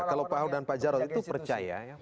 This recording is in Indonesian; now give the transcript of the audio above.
kalau pak ahok dan pak jarod itu percaya